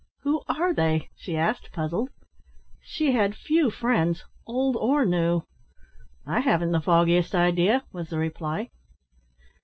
"Who are they?" she asked, puzzled. She had few friends, old or new. "I haven't the foggiest idea," was the reply.